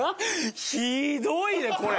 ひどいねこれ。